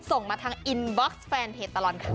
ส่งมาทางอินบ็อกซ์แฟนเพจตลอดข่าว